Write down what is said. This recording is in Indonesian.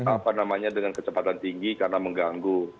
apa namanya dengan kecepatan tinggi karena mengganggu